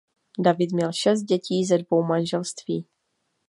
David měl šest dětí ze dvou manželství.